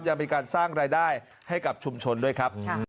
ยังมีการสร้างรายได้ให้กับชุมชนด้วยครับ